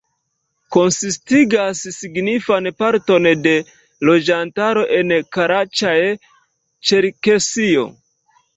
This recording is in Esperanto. Konsistigas signifan parton de loĝantaro en Karaĉaj-Ĉerkesio.